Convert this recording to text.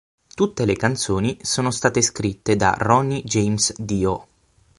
Tutte le canzoni sono state scritte da Ronnie James Dio.